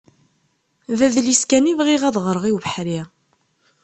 D adlis kan i bɣiɣ ad ɣreɣ i ubeḥri.